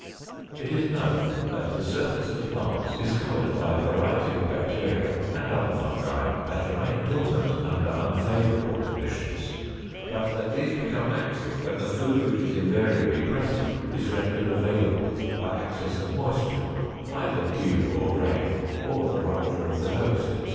It is known that the surface of plants is covered by a variety of bacteria and other fungi that remain dormant under unfavorable conditions, but that these become active when the food which is invariably present is rendered available by access of moisture, either dew or rain, or the rupture of the host, etc.